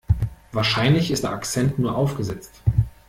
Wahrscheinlich ist der Akzent nur aufgesetzt.